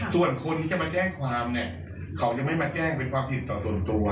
ส่วนคนที่จะมาแจ้งความเนี่ยเขาจะไม่มาแจ้งเป็นความผิดต่อส่วนตัว